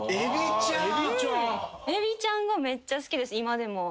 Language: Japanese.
エビちゃんがめっちゃ好きです今でも。